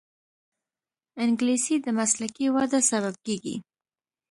انګلیسي د مسلکي وده سبب کېږي